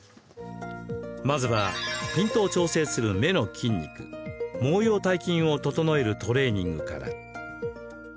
まずは、ピントを調整する目の筋肉毛様体筋を整えるトレーニングから。